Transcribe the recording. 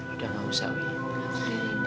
udah mak usah wih